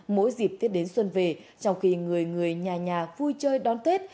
mỗi dịp tết đến xuân về trong khi người người nhà nhà vui chơi đón tết